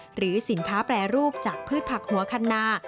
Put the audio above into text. หรือสินค้าแปรรูปจากพืชผักหัวคันนา